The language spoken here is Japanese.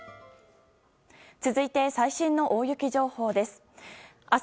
続いて、最新の大雪情報です。